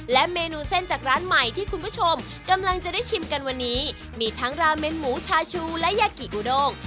และเมนูเส้นจากร้านใหม่ที่คุณผู้ชมกำลังจะได้ชิมกันวันนี้มีทั้งราเมนหมูชาชูและยากิกูดง